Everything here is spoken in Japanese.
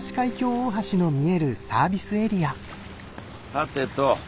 さてと。